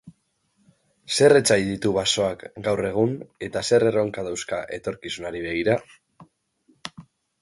Zer etsai ditu basoak gaur egun, eta zer erronka dauzka etorkizunari begira?